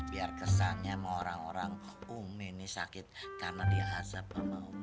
biar kesannya sama orang orang ummi nih sakit karena dihazab sama ummi